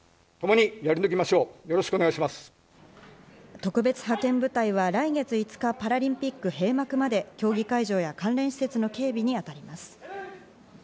特別派遣部隊は来月５日、パラリンピック閉幕まで競技会場や関連施設の警備に当たります。